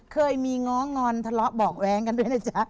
เคยมีง้องอนทะเลาะเบาะแว้งกันด้วยนะจ๊ะ